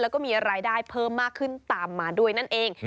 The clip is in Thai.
แล้วก็มีรายได้เพิ่มมากขึ้นตามมาด้วยนั่นเอง